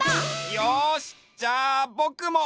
よしじゃあぼくも！